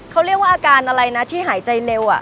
เขาเรียกว่าอาการอะไรนะที่หายใจเร็ว